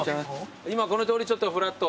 今この通りちょっとふらっと。